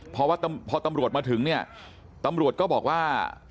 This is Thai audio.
เพราะว่าพอตำรวจมาถึงเนี่ยตำรวจก็บอกว่า